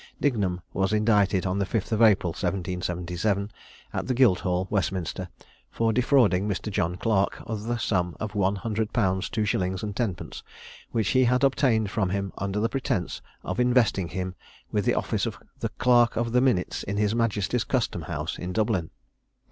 Dignum was indicted on the 5th of April, 1777, at the Guildhall, Westminster, for defrauding Mr. John Clarke of the sum of one hundred pounds two shillings and tenpence, which he had obtained from him under pretence of investing him with the office of clerk of the minutes in his majesty's custom house in Dublin.